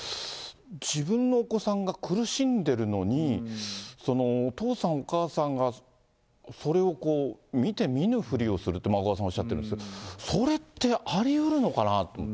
自分のお子さんが苦しんでいるのに、お父さん、お母さんがそれを見て見ぬふりをするって、小川さんおっしゃっています、それってありうるのかなと。